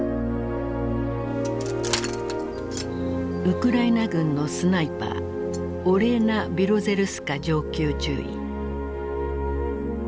ウクライナ軍のスナイパーオレーナ・ビロゼルスカ上級中尉。